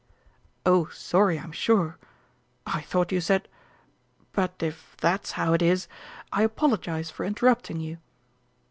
"Oh, sorry, I'm sure; I thought you said but if that's how it is, I apologise for interrupting you."